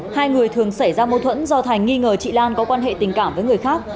hai người thường xảy ra mâu thuẫn do thành nghi ngờ chị lan có quan hệ tình cảm với người khác